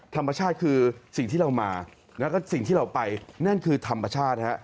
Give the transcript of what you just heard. ธรรมชาติคือสิ่งที่เรามาแล้วก็สิ่งที่เราไปนั่นคือธรรมชาติฮะ